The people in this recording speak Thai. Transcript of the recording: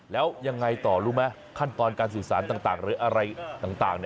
แล้วยังไงต่อรู้ไหมขั้นตอนการสื่อสารต่างหรืออะไรต่าง